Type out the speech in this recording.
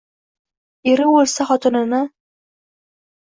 Eri o’lsa, xotinini